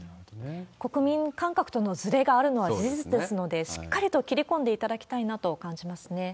国民感覚とのずれがあるのは事実ですので、しっかりと切り込んでいただきたいなと感じますね。